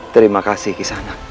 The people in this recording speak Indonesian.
terima kasih kisana